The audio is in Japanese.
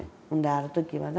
ある時はな